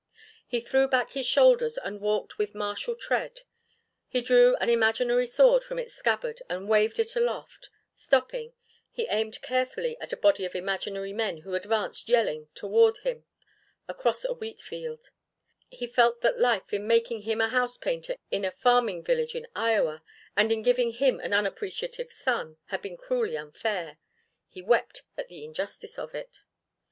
He threw back his shoulders and walked with martial tread; he drew an imaginary sword from its scabbard and waved it aloft; stopping, he aimed carefully at a body of imaginary men who advanced yelling toward him across a wheatfield; he felt that life in making him a housepainter in a farming village in Iowa and in giving him an unappreciative son had been cruelly unfair; he wept at the injustice of it.